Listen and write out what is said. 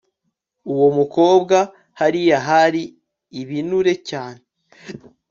Uwo mukobwa hariya hari ibinure cyane